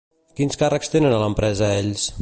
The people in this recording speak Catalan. Quins càrrecs tenen a l'empresa ells?